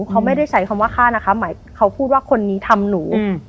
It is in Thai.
เขาไม่ได้ใช้คำว่าฆ่านะคะหมายเขาพูดว่าคนนี้ทำหนู